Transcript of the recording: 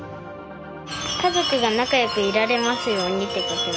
「家族が仲よくいられますように」って書きました。